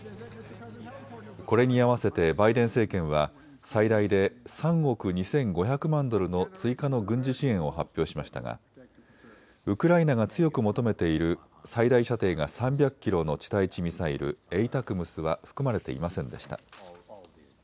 これに合わせてバイデン政権は最大で３億２５００万ドルの追加の軍事支援を発表しましたがウクライナが強く求めている最大射程が３００キロの地対地ミサイル、ＡＴＡＣＭＳは含まれていませんでした。